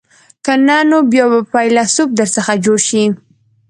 که نه نو بیا به فیلسوف در څخه جوړ شي.